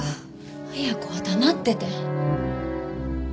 恵子は黙ってて。